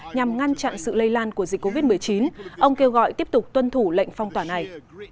nhằm ngăn chặn sự lây lan của dịch covid một mươi chín ông kêu gọi tiếp tục tuân thủ lệnh phong tỏa này